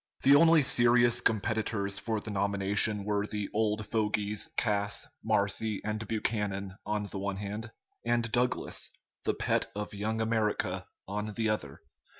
The only serious competitors for the nomination were the "old fogies" Cass, Marcy, and Buchanan on the one hand, and Douglas, the pet of "Young America," on the other.